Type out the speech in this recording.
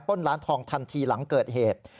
ร้านทองทันทีหลังเกิดเหตุ